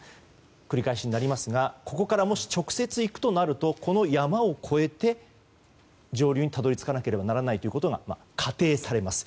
繰り返しになりますがここからもし直接行くとなるとこの山を越えて上流にたどり着かなければならないことが仮定されます。